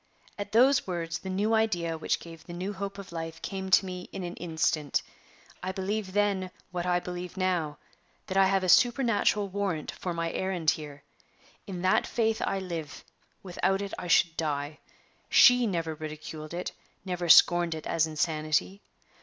At those words, the new idea which gave the new hope of life came to me in an instant. I believed then, what I believe now, that I have a supernatural warrant for my errand here. In that faith I live; without it I should die. She never ridiculed it, never scorned it as insanity.